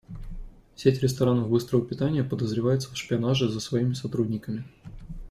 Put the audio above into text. Сеть ресторанов быстрого питания подозревается в шпионаже за своими сотрудниками.